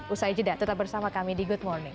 usai jeda tetap bersama kami di good morning